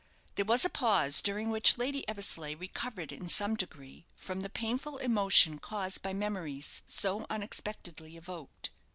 There was a pause, during which Lady Eversleigh recovered in some degree from the painful emotion caused by memories so unexpectedly evoked.